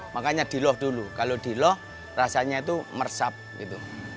makanya diloh dulu kalau diloh rasanya itu meresap gitu